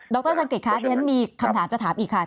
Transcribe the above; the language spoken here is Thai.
ดจังกิร์ดคะดิฉันมีคำถามจะถามอีกค่ะ